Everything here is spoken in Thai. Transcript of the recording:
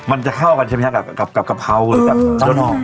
มันจะเข้ากันใช่ไหมครับกับกะเพราหรือกับเจ้านอก